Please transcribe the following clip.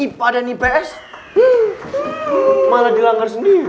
ini peraturan ipa dan ips malah dianggar sendiri